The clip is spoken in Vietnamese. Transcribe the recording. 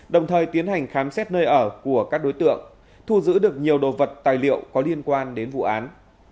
đồng thời tiến hành khám xét nơi ở của các đối tượng thu giữ được nhiều đồ vật tài liệu có liên quan đến vụ án